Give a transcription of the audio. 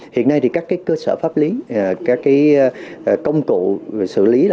hiện nay thì các cơ sở pháp lý các công cụ xử lý đều đã có ví dụ như luật an ninh mạng